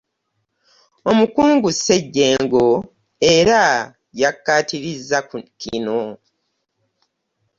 Omukungu Ssejjengo era yakikkaatirizza kino.